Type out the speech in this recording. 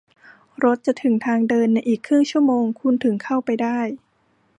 รถจะถึงทางเดินในอีกครึ่งชั่วโมง คุณถึงเข้าไปได้